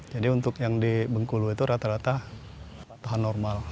jadi untuk yang di bunggulu itu rata rata patahan normal